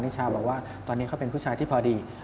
ชาบอกว่าตอนนี้เขาเป็นผู้ชายที่พอดี